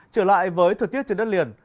trở lại với thời tiết trên đất liền